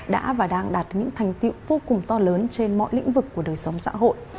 đã và đang đạt những thành tiệu vô cùng to lớn trên mọi lĩnh vực của đời sống xã hội